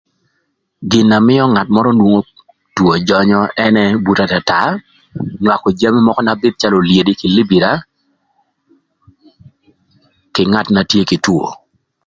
Gin na mïö ngat mörö nwongo two jönyö ënë buto atata nywakö jami mökö na bïbïth calö olyedi kï libira kï ngat na tye kï two.